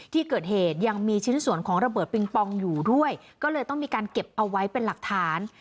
ที่เกิดเหตุยังมีชิ้นส่วนของระเบิดปิงปองอยู่ด้วยก็เลยต้องมีการเก็บเอาไว้เป็นหลักฐาน